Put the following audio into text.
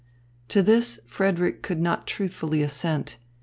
To this Frederick could not truthfully assent.